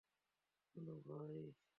শোন, ভাই।